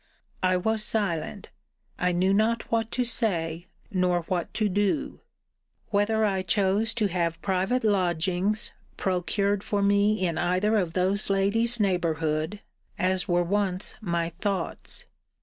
I was silent. I knew not what to say, nor what to do. Whether I chose to have private lodgings procured for me in either of those ladies' neighbourhood, as were once my thoughts?